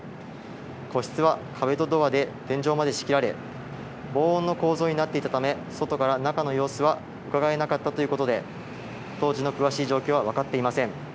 個室は壁とドアで天井まで仕切られ、防音の構造になっていたため、外から中の様子はうかがえなかったということで、当時の詳しい状況は分かっていません。